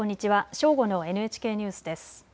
正午のＮＨＫニュースです。